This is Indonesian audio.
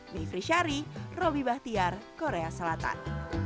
mie frisary robby bahtiar korea selatan